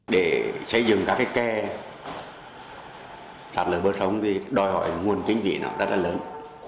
để xây dựng các cái kè sát lở bờ sông thì đòi hỏi nguồn chính vị nó rất là lớn